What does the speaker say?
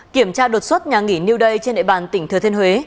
kiểm tra đột xuất nhà nghỉ new day trên đại bàn tỉnh thừa thiên huế